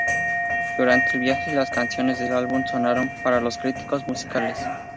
Durante el viaje, las canciones del álbum sonaron para los críticos musicales.